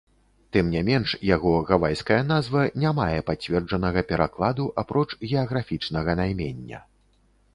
Тым не менш, яго гавайская назва не мае пацверджанага перакладу, апроч геаграфічнага наймення.